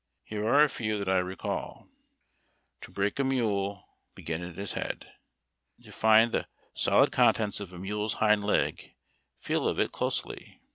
Here are a few that I recall :— "To break a mule — begin at his head." "To find the solid contents of a mule's hind leg, feel of it clussly."